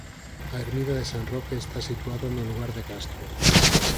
A ermida de San Roque está situada no lugar de Castro.